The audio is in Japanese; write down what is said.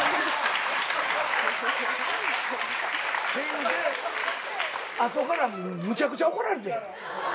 言うて後からむちゃくちゃ怒られてん。